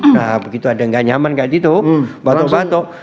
nah begitu ada nggak nyaman kayak gitu batuk batuk